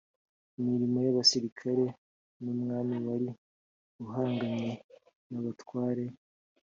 imirimo y abasirikare n umwami wari uhanganye n abatware